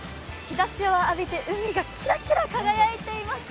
日ざしを浴びて海がキラキラ輝いています。